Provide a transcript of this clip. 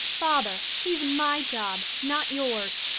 Father — he's my job, not yours.